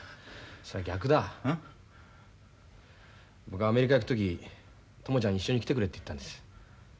僕アメリカ行く時朋ちゃんに「一緒に来てくれ」って言ったんです。